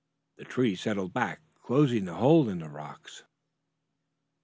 The tree settled back, closing the hole in the rocks.